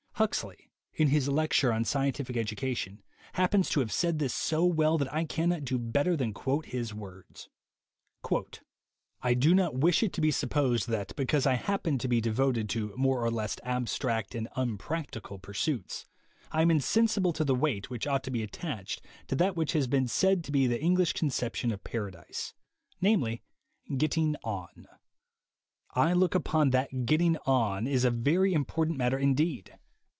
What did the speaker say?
Huxley, in 54 THE WAY TO WILL POWER his lecture on Scientific Education, happens to have said this so well that I cannot do better than quote his words : "I do not wish it to be supposed that, because I happen to be devoted to more or less abstract and 'unpractical' pursuits, I am insensible to the weight which ought to be attached to that which has been said to be the English conception of Paradise; namely, 'getting on.' I look upon it that 'getting on' is a very important matter indeed.